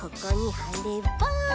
はれば。